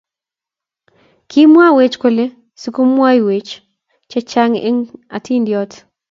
Kimwawech kole sikomwaiwech chechang eng atindoniot.